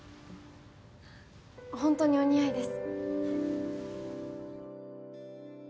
ほんとにお似合いです。